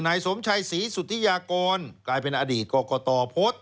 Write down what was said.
นายสมชัยศรีสุธิยากรกลายเป็นอดีตกรกตโพสต์